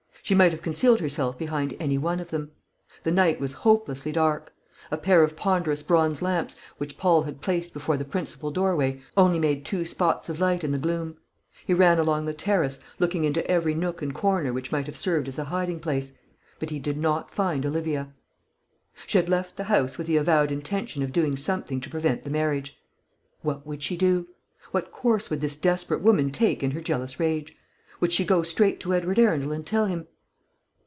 She might have concealed herself behind any one of them. The night was hopelessly dark. A pair of ponderous bronze lamps, which Paul had placed before the principal doorway, only made two spots of light in the gloom. He ran along the terrace, looking into every nook and corner which might have served as a hiding place; but he did not find Olivia. She had left the house with the avowed intention of doing something to prevent the marriage. What would she do? What course would this desperate woman take in her jealous rage? Would she go straight to Edward Arundel and tell him